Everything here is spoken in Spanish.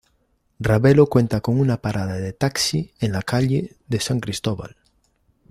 Ravelo cuenta con una parada de taxi en la calle de San Cristóbal.